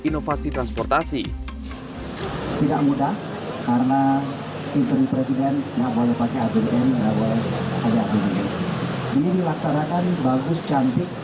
inovasi transportasi tidak mudah karena